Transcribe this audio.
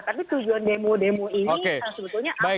tapi tujuan demo demo ini